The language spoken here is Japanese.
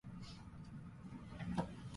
今から行く